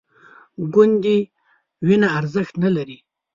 ګوندې وینه ارزښت نه لري